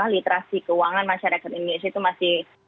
literasi keuangan masyarakat indonesia itu masih